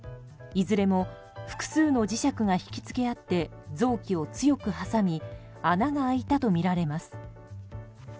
いずれも複数の磁石が引きつけ合って臓器を強く挟み穴が開いたとみられます。